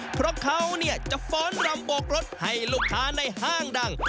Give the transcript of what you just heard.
เพราะเขาเนี่ยจะฟ้นดรำบวกรถให้ลูกค้าในห้างดั่ง